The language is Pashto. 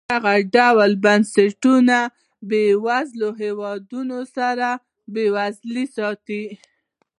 دغه ډول بنسټونه بېوزله هېوادونه بېوزله ساتي.